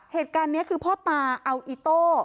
เหตุการณ์นี้คือพ่อตาเอาอิโต้